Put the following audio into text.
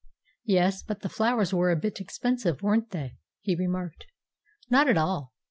"Yes; but the flowers were a bit expensive, weren't they?" he remarked. "Not at all.